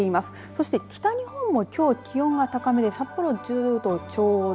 そして北日本もきょう、気温が高めで札幌、１０度ちょうど。